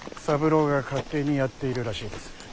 三郎が勝手にやっているらしいです。